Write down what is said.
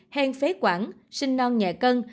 hèn phế quản sinh non nhẹ cân